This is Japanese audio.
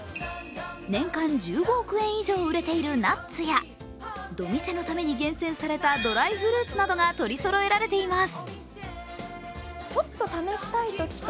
年間１５億円以上売れているナッツやドミセのために厳選されたドライフルーツなどが取りそろえられています